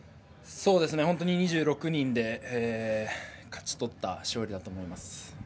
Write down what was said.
本当に２６人で勝ち取った勝利だと思います。